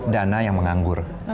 dana yang menganggur